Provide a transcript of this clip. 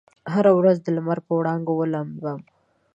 هره ورځ دلمر په وړانګو ولامبم